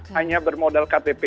hanya bermodal ktp